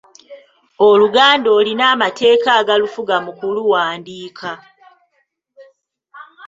Oluganda olina amateeka agalufuga mu kuluwandiika.